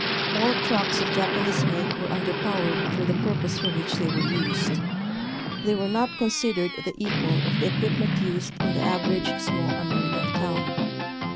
All trucks of Japanese make were underpowered for the purpose for which they were used. They were not considered the equal of the equipment used in the average small American town.